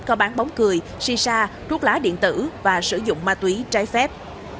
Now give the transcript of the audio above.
có bán bóng cười si sa thuốc lá điện tử và sử dụng ma túy trái phép